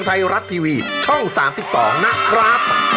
บานด้วยตัวเองต้องให้เห็นกับตา